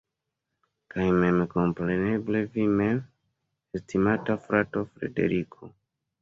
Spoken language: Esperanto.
Kaj memkompreneble vi mem, estimata frato Frederiko.